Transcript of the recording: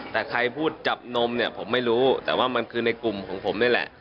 แต่ใครพูดจับนมเนี่ยผมไม่รู้แต่ว่ามันคือในกลุ่มของผมนี่แหละ